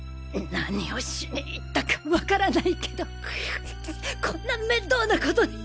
何をしに行ったかわからないけどこんな面倒なことに！！